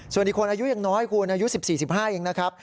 ส่วนอีกคนอายุยังน้อยคุณอายุ๑๔๑๕เองนะครับ